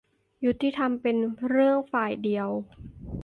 ยุติธรรมเป็นเรื่องฝ่ายเดียว ?